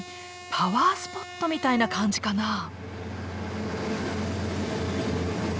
パワースポットみたいな感じかな？